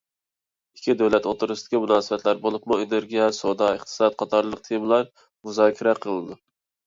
ئىككى دۆلەت ئوتتۇرىسىدىكى مۇناسىۋەتلەر، بولۇپمۇ ئېنېرگىيە، سودا، ئىقتىساد قاتارلىق تېمىلار مۇزاكىرە قىلىنىدۇ.